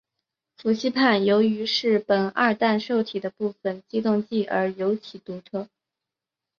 氟西泮由于是苯二氮受体的部分激动剂而尤其独特。